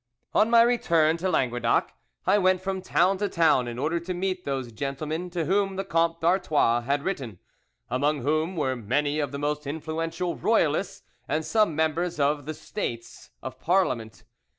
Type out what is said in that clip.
"On my return to Languedoc, I went from town to town in order to meet those gentlemen to whom the Comte d'Artois had written, among whom were many of the most influential Royalists and some members of the States of Parliament.